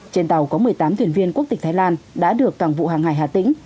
trên tàu có một mươi tám thuyền viên quốc tịch thái lan đã được cảng vụ hàng hải hà tĩnh